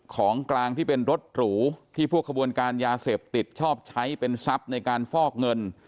ของกลางที่เป็นรถหรูที่พวกขบวนการยาเสพติดชอบใช้เป็นทรัพย์ในการฟอกเงิน